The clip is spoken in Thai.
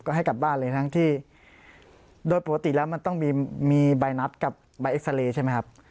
ก็ให้กลับบ้านเลยทั้งที่โดยปกติแล้วมันต้องมีใบนัดกับใบเอ็กซาเรย์ใช่ไหมครับ